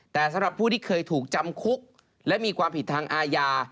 แต่สำหรับผู้ที่เคยถูกจำคุกและมีความผิดทางอาญา